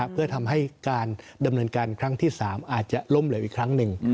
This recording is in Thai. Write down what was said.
เพื่อทำให้การดำเนินการครั้งที่๓อาจจะล้มเหลวอีกครั้งหนึ่ง